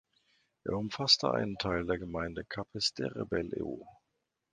Er umfasste einen Teil der Gemeinde Capesterre-Belle-Eau.